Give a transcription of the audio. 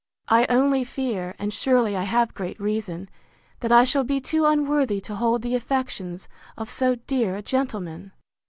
I only fear, and surely I have great reason, that I shall be too unworthy to hold the affections of so dear a gentleman!